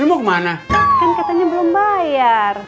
lu mau kemana kan katanya belum bayar